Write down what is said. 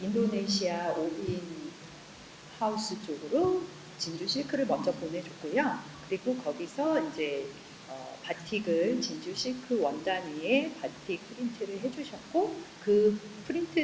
dan saya juga telah mengirimkan pakaian yang telah dipindahkan ke korea